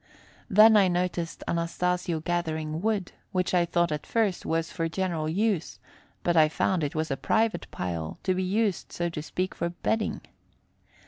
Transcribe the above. Then I noticed Anastasio gathering wood, which I thought at first was for general use, but I found it was a private pile, to be used, so to speak, for bedding.